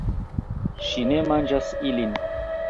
Ŝi ne manĝas ilin